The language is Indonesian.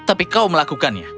tapi kau melakukannya